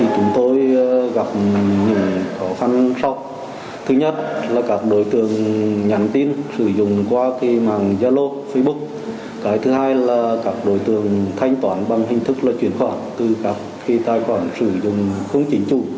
các đối tượng thanh toán bằng hình thức là chuyển khoản từ các tài khoản sử dụng không chính chủ